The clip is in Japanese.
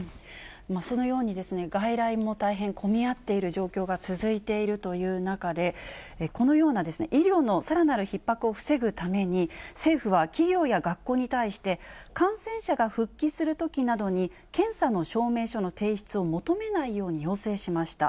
そのように、外来も大変混み合っている状況が続いているという中で、このような医療のさらなるひっ迫を防ぐために、政府は企業や学校に対して、感染者が復帰するときなどに検査の証明書の提出を求めないように要請しました。